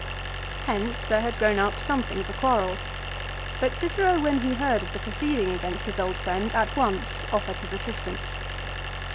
Hence there had grown up something of a quarrel. But Cicero when he heard of the proceeding against his old friend at once offered his assistance.